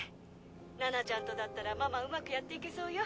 菜々ちゃんとだったらママうまくやっていけそうよ。